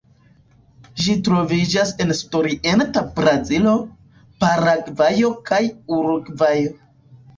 Ĝi troviĝas en sudorienta Brazilo, Paragvajo kaj Urugvajo.